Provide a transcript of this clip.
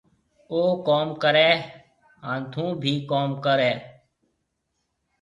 او ڪوم ڪرهيَ هانَ ٿُون بي ڪوم ڪري۔